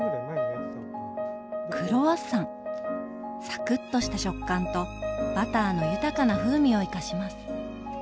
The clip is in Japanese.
サクッとした食感とバターの豊かな風味を生かします。